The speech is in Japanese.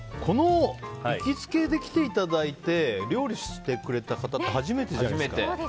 この行きつけで来ていただいて料理してくれた方って初めてじゃないですか？